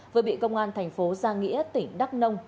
vừa bị công an thành phố giang nghĩa tỉnh đắk nông